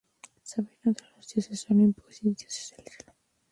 Soberano de los dioses olímpicos y dios del cielo.